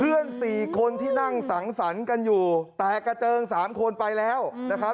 สี่คนที่นั่งสังสรรค์กันอยู่แตกกระเจิงสามคนไปแล้วนะครับ